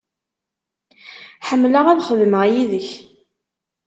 Ḥemmleɣ ad xedmeɣ yid-k.